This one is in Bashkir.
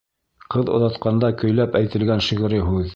Ҡыҙ оҙатҡанда көйләп әйтелгән шиғри һүҙ.